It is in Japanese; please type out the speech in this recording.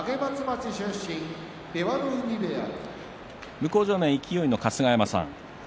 向正面、勢の春日山さん